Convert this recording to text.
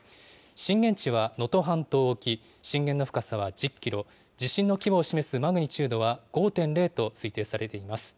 震源地は能登半島沖、震源の深さは１０キロ、地震の規模を示すマグニチュードは５．０と推定されています。